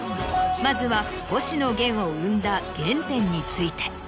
まずは星野源を生んだ原点について。